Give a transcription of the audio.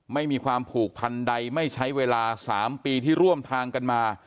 ไม่มีความผูกพันใดไม่ใช้เวลา๓ปีที่ร่วมทางกันมา